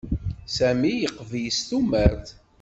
Sami yeqbel s tumert.